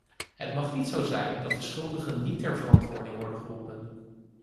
Het mag niet zo zijn dat de schuldigen niet ter verantwoording worden geroepen.